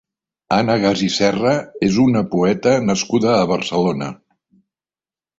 Anna Gas i Serra és una poeta nascuda a Barcelona.